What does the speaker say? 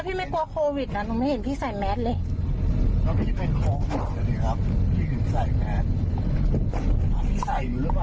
คุณผู้ชมผู้เสียหายเนี่ยเขาถ่ายคลิปเอาไว้ได้เดี๋ยวฟังกันหน่อยค่ะ